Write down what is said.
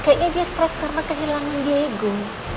kayaknya dia stress karena kehilangan diego